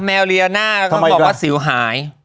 แมวเรียวหน้าก็บอกว่าสิวหาย